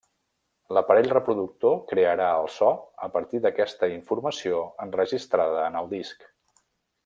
L'aparell reproductor crearà el so a partir d'aquesta informació enregistrada en el disc.